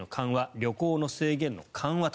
旅行の制限の緩和と。